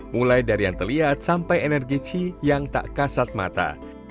mulai dari yang terlihat sampai energi chi yang tak kasat mata